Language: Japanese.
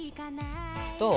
どう？